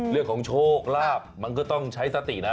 เรื่องของโชคลาภมันก็ต้องใช้สตินะ